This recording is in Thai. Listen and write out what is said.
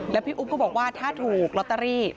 แล้วพี่อุ๊บก็บอกว่าถ้าถูกลอตเตอรี่